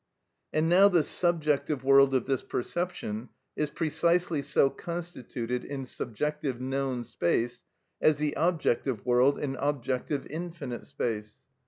And now the subjective world of this perception is precisely so constituted in subjective, known space as the objective world in objective, infinite space.